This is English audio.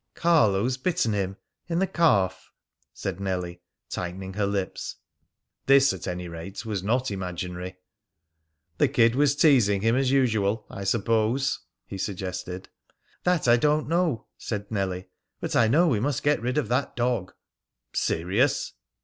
"Carlo's bitten him in the calf," said Nellie, tightening her lips. This, at any rate, was not imaginary. "The kid was teasing him as usual, I suppose?" he suggested. "That I don't know," said Nellie. "But I know we must get rid of that dog." "Serious?"